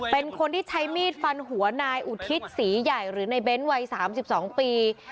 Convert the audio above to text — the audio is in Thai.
เป็นคนที่ใช้มีดฟันหัวนายอุทิศศรีใหญ่หรือในเบ้นวัย๓๒ปี